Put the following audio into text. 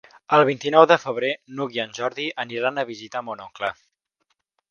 El vint-i-nou de febrer n'Hug i en Jordi aniran a visitar mon oncle.